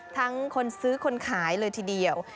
คนซื้อคนขายเลยทีเดียว